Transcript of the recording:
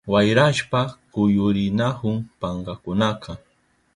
Wayrashpan kuyurinahun pankakunaka.